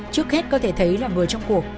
trước hết có thể thấy là người trong cuộc